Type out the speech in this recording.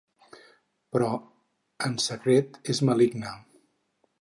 Però, en secret, és maligna.